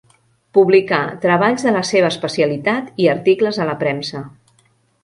Publicà treballs de la seva especialitat i articles a la premsa.